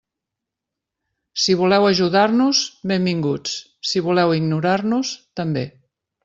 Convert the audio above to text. Si voleu ajudar-nos, benvinguts, si voleu ignorar-nos, també.